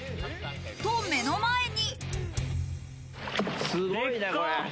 と、目の前に。